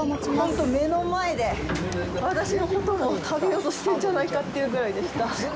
本当に目の前で、私のことも食べようとしてんじゃないかっていうぐらいでした。